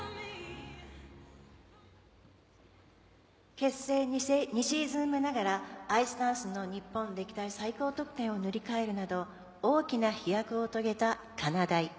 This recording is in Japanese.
結成２シーズン目ながらアイスダンスの日本歴代最高得点を塗り替えるなど大きな飛躍を遂げたかなだい。